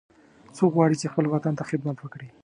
څوک غواړي چې خپل وطن ته خدمت وکړي